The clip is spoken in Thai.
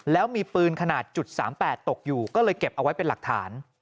แล้วมีปืนขนาด๓๘ตกอยู่ก็เลยเก็บเอาไว้เป็นหลักฐาน